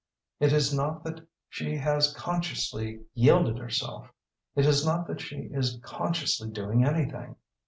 It is not that she has consciously yielded herself. It is not that she is consciously doing anything.